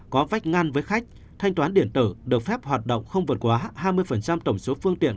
có vách ngăn với khách thanh toán điện tử được phép hoạt động không vượt quá hai mươi tổng số phương tiện